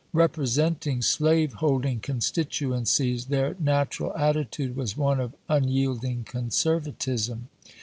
Representing slavehold ing constituencies, their natural attitude was one of unyielding conservatism.